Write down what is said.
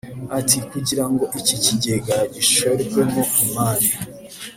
Ati “Kugira ngo iki kigega gishorwemo imari